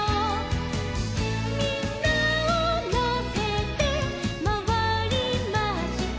「みんなをのせてまわりました」